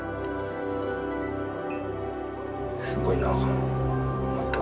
すごいな。